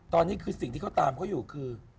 ตอนนี้คือสิ่งที่เขาตามเขาอยู่คือ